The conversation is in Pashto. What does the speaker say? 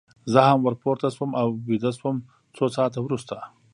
زه هم ور پورته شوم او ویده شوم، څو ساعته وروسته.